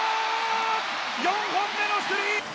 ４本目のスリー！